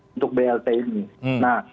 untuk plt ini nah